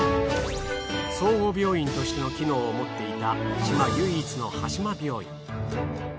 総合病院としての機能を持っていた島唯一の端島病院。